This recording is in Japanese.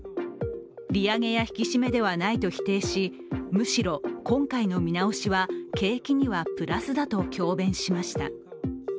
利上げや引き締めではないと否定し、むしろ今回の見直しは景気にはプラスだと強弁しました。